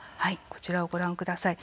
こちらをご覧ください。